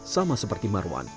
sama seperti marwan